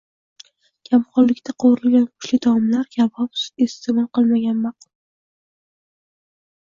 Kamqonlikda qovurilgan go‘shtli taomlar, kabob, sut iste’mol qilinmagani ma’qul.